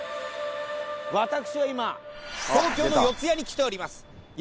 私は今東京の四谷に来ております。